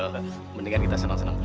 mendingan kita senang senang